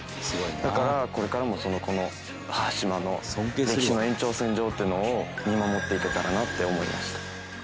だからこれからもこの端島の歴史の延長線上っていうのを見守っていけたらなって思いました。